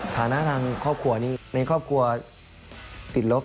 ฐานะทางครอบครัวนี้ในครอบครัวติดลบ